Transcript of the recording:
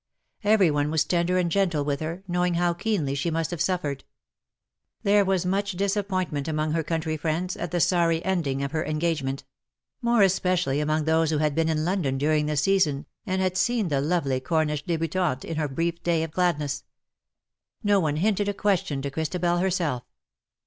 Every one was tender and gentle with her, knowing how keenly she must have suffered. There was much disappoint ment among her country friends at the sorry ending of her engagement ; more especially among those who had been in London during the season, and had seen the lovely Cornish debutante in her brief day of gladness. No one hinted a question to Christabel herself.